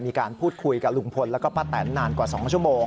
มีการพูดคุยกับลุงพลแล้วก็ป้าแตนนานกว่า๒ชั่วโมง